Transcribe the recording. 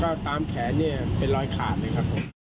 แล้วก็ตามแขนเป็นลอยขาดเลยครับ